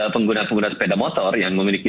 pengguna pengguna sepeda motor yang memiliki